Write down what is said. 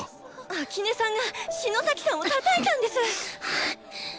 秋音さんが篠崎さんをたたいたんです！